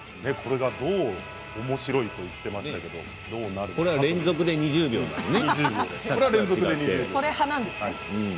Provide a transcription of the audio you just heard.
これが、おもしろいと言ってましたけどこれが連続で２０秒なのね。